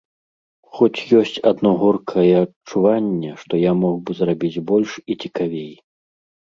Хоць ёсць адно горкае адчуванне, што я мог бы зрабіць больш і цікавей.